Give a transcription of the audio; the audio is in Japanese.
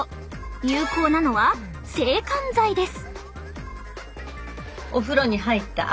有効なのは制汗剤です。